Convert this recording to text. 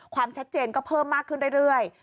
ความชัดเจนก็เพิ่มมากขึ้นเรื่อย